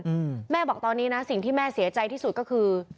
อืมแม่บอกตอนนี้นะสิ่งที่แม่เสียใจที่สุดก็คือ